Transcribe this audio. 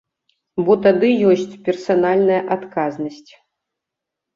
Бо тады ёсць персанальная адказнасць.